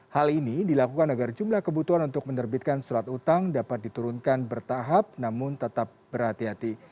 hal ini dilakukan agar jumlah kebutuhan untuk menerbitkan surat utang dapat diturunkan bertahap namun tetap berhati hati